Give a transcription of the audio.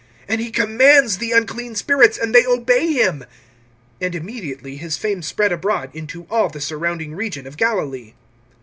And he commands the unclean spirits, and they obey him. (28)And immediately his fame spread abroad into all the surrounding region of Galilee.